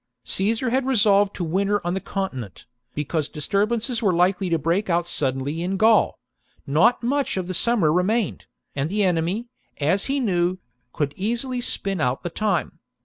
Caesar had resolved to winter on the continent, because disturbances were likely to break out suddenly in Gaul : not much of the summer remained, and the enemy, as, he knew, could easily spin out the time.